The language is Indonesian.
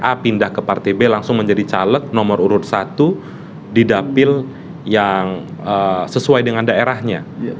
a pindah ke partai b langsung menjadi caleg nomor urut satu di dapil yang sesuai dengan daerahnya